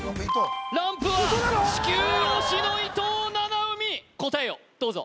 ランプは地球押しの伊藤七海答えをどうぞ